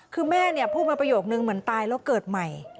คือแม่พูดมาประโยคนึงเหมือนตายแล้วเกิดใหม่